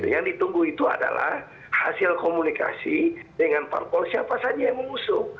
yang ditunggu itu adalah hasil komunikasi dengan parpol siapa saja yang mengusung